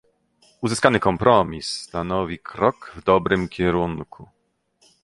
Uzyskany kompromis stanowi krok w dobrym kierunku